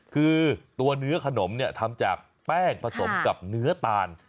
คือตัวเนื้อขนมเนี่ยทำจากแป้งผสมกับเนื้อตาล